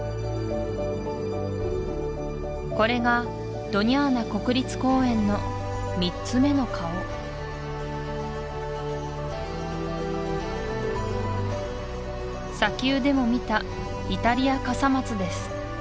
これがドニャーナ国立公園の３つ目の顔砂丘でも見たイタリアカサマツです